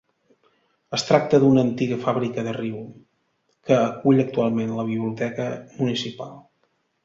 Es tracta d'una antiga fàbrica de riu, que acull actualment la biblioteca municipal.